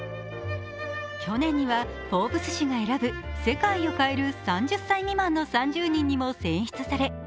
去年には「フォーブズ」誌が選ぶ「世界を変える３０歳未満の３０人」にも選出され